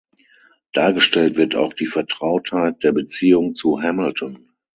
Dargestellt wird auch die Vertrautheit der Beziehung zu Hamilton.